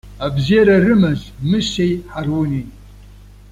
Абзиара рымаз Мысеи Ҳаруни!